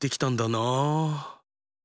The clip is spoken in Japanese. なあ？